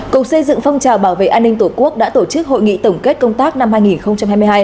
cục xây dựng phong trào bảo vệ an ninh tổ quốc đã tổ chức hội nghị tổng kết công tác năm hai nghìn hai mươi hai